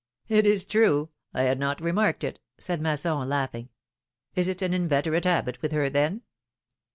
^^It is true! I had not remarked it," said Masson, laughing. Is it an inveterate habit with her, then